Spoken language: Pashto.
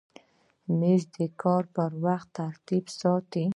مېز د کار پر وخت ترتیب ساتي.